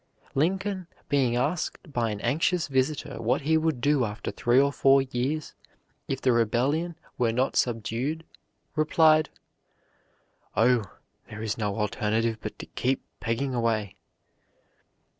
Lincoln, being asked by an anxious visitor what he would do after three or four years if the rebellion were not subdued, replied: "Oh, there is no alternative but to keep pegging away."